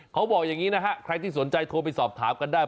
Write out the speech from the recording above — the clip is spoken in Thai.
เขาบอกอย่างนี้นะฮะใครที่สนใจโทรไปสอบถามกันได้